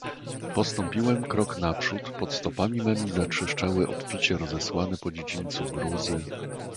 "Postąpiłem krok naprzód, pod stopami memi zatrzeszczały obficie rozesłane po dziedzińcu gruzy..."